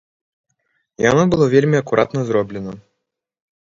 Яно было вельмі акуратна зроблена.